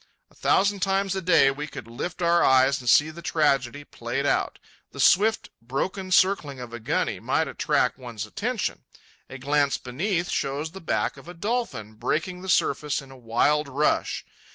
A thousand times a day we could lift our eyes and see the tragedy played out. The swift, broken circling of a guny might attract one's attention. A glance beneath shows the back of a dolphin breaking the surface in a wild rush.